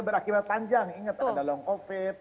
berakhirnya panjang inget ada long covid